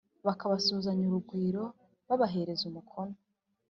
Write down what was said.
bakabasuhuzanya urugwiro babahereza umukono